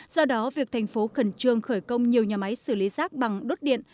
do đó việc thành phố khẩn trương khởi công nhiều nhà máy xử lý rác bằng đốt điện